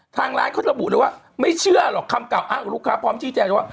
ทางร้านเขาจะบุหรือว่าไม่เชื่อหรอกคำเก่าอ้าวลูกค้าพร้อมชี้แจกเลยว่า